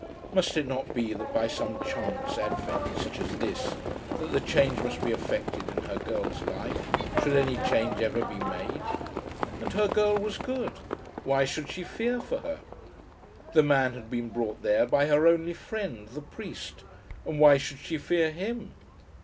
Must it not be that by some chance advent such as this that the change must be effected in her girl's life, should any change ever be made? And her girl was good. Why should she fear for her? The man had been brought there by her only friend, the priest, and why should she fear him?